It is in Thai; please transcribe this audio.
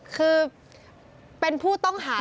คือเป็นผู้ต้องหา